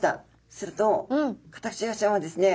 するとカタクチイワシちゃんはですね